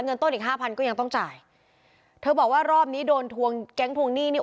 เงินต้นอีกห้าพันก็ยังต้องจ่ายเธอบอกว่ารอบนี้โดนทวงแก๊งทวงหนี้นี่